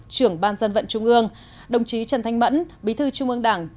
trưởng ban dân vận trung ương đồng chí trần thanh mẫn bí thư trung ương đảng